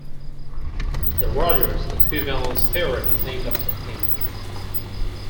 The Rogers equivalence theorem is named after him.